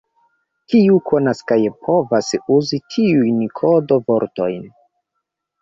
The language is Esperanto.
Kiu konas kaj povas uzi tiujn kodo-vortojn?